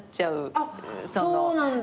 あっそうなんだ。